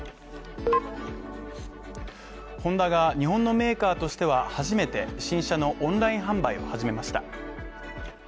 ホンダが日本のメーカーとしては初めて新車のオンライン販売を始めました。